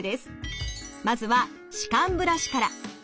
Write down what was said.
まずは歯間ブラシから。